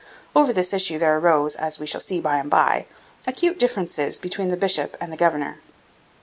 Over this issue there arose, as we shall see by and by, acute differences between the bishop and the governor.